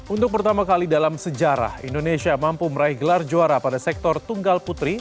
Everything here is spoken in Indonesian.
untuk pertama kali dalam sejarah indonesia mampu meraih gelar juara pada sektor tunggal putri